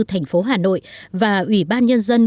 thành phố hà nội và ủy ban nhân dân